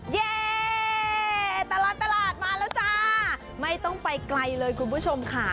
เย่ตลอดตลาดมาแล้วจ้าไม่ต้องไปไกลเลยคุณผู้ชมค่ะ